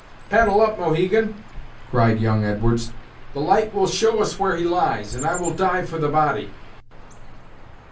"Paddle up, Mohegan," cried young Edwards, "the light will show us where he lies, and I will dive for the body."